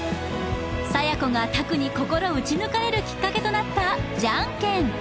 佐弥子が拓に心打ち抜かれるきっかけとなったじゃんけん